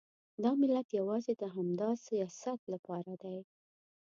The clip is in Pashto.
دا ملت یوازې د همدا سیاست لپاره دی.